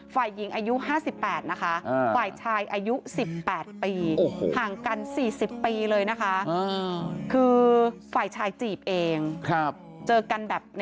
ฝ่ายหญิงอายุ๕๘นะคะ